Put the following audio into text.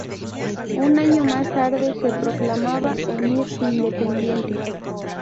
Un año más tarde se proclamaba emir independiente.